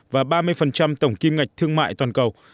và ba mươi tổng kim ngạch thương mại toàn cầu